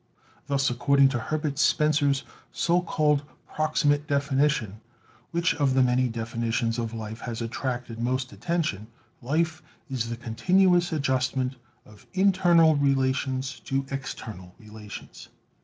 Thus according to Herbert Spencer's so called proximate definition, which of the many definitions of life has attracted most attention, life is the continuous adjustment of internal relations to external relations.